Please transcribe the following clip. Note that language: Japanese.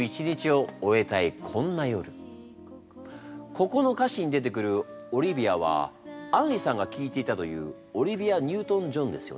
ここの歌詞に出てくるオリビアは杏里さんが聴いていたというオリビア・ニュートン・ジョンですよね？